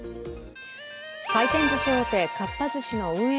回転ずし大手、かっぱ寿司の運営